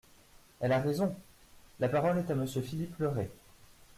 Elle a raison ! La parole est à Monsieur Philippe Le Ray.